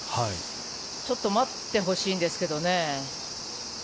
ちょっと待ってほしいんですけどね。